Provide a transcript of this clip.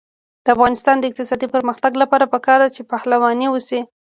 د افغانستان د اقتصادي پرمختګ لپاره پکار ده چې پهلواني وشي.